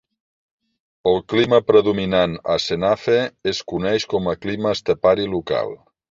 El clima predominant a Senafe es coneix com a clima estepari local.